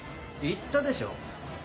言ったでしょ。